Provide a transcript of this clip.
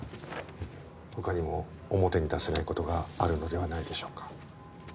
他にも表に出せない事があるのではないでしょうか？